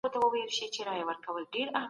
کله چي ته بازار ته ځې، نو رښتيا خبرې کوه.